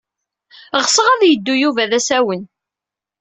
Ɣseɣ ad yeddu Yuba d asawen.